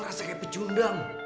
gue ngerasa kayak pecundang